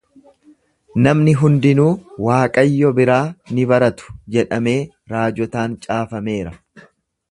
Namni hundinuu Waaqayyo biraa ni baratu jedhamee raajotaan caafameera.